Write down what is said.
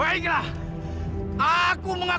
baiklah aku mengaku kalah